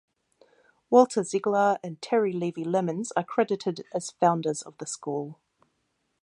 Walter Ziglar and Terry Leavey Lemons are credited as founders of the school.